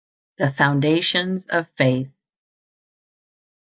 THE FOUNDATIONS OF FAITH.